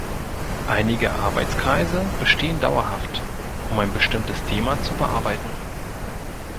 Einige Arbeitskreise bestehen dauerhaft, um ein bestimmtes Thema zu bearbeiten.